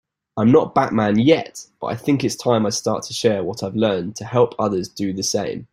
I'm not Batman yet, but I think it's time I start to share what I've learned to help others do the same.